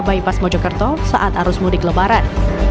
bypass mojokerto saat arus mudik lebaran